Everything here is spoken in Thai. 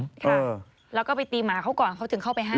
ค่ะแล้วก็ไปตีหมาเขาก่อนเขาถึงเข้าไปห้าม